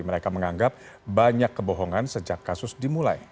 mereka menganggap banyak kebohongan sejak kasus dimulai